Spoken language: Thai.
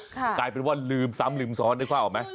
กลายเป็นว่าลืมซ้ำลืมซ้อนนึกว่าออกไหม